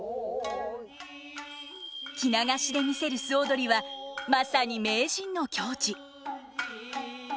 着流しで見せる素踊りはまさに名人の境地。